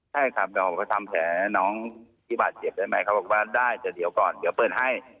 ใช่ครับเดี๋ยวทำแผลน้องที่บาดเจ็บได้ไหมเขาบอกว่าได้แต่เดี๋ยวก่อนเดี๋ยวเปิดให้